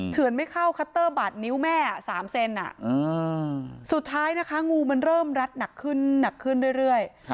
เฉือนไม่เข้าคัตเตอร์บาดนิ้วแม่๓เซนสุดท้ายนะคะงูมันเริ่มรัดหนักขึ้นหนักขึ้นเรื่อย